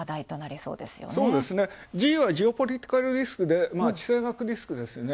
そうですね、ＧはＧはジオポリティカルリスク、地政学リスクですね。